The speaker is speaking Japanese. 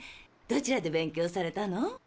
どちらで勉強されたの？